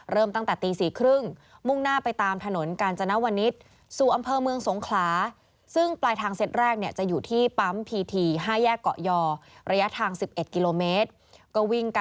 เริ่มตั้งแต่ตี๔ครึ่ง